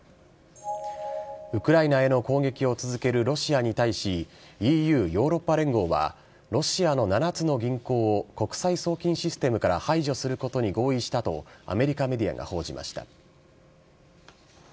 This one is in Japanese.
ウクライナへの攻撃を続けるロシアに対し、ＥＵ・ヨーロッパ連合は、ロシアの７つの銀行を国際送金システムから排除することに合意したと、アメリカメディアが報じました。